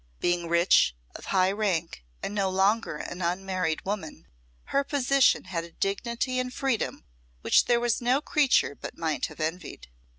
Being rich, of high rank, and no longer an unmarried woman, her position had a dignity and freedom which there was no creature but might have envied.